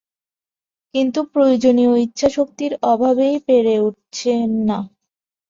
কিন্তু প্রয়োজনীয় ইচ্ছাশক্তির অভাবেই পেরে উঠছেন না।